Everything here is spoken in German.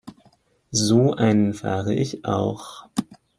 So einen fahre ich auch.